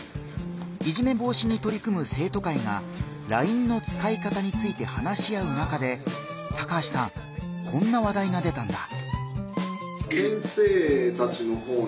いじめ防止にとり組む生徒会がＬＩＮＥの使い方について話し合う中で高橋さんこんな話題が出たんだ。